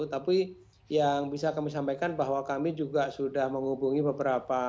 tapi yang bisa kami sampaikan bahwa kami juga sudah menghubungi beberapa